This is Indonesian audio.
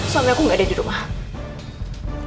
suami aku gak ada di rumah